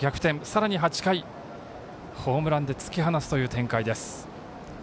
さらに８回、ホームランで突き放すという展開です。